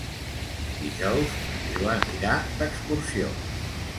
Dijous en Joan irà d'excursió.